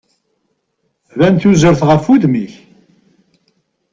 Tban tuzert ɣef udem-ik.